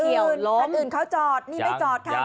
อื่นอื่นเขาจอดนี่ไม่จอด